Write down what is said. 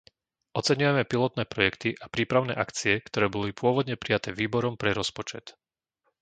Oceňujeme pilotné projekty a prípravné akcie, ktoré boli pôvodne prijaté Výborom pre rozpočet.